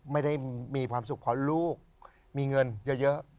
ไม่ได้มีความสุขเพราะลูกมีเงินเยอะ